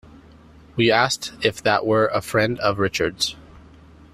We asked if that were a friend of Richard's.